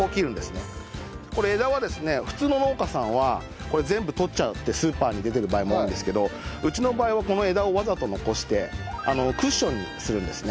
これ枝はですね普通の農家さんはこれ全部取っちゃってスーパーに出てる場合も多いんですけどうちの場合はこの枝をわざと残してクッションにするんですね。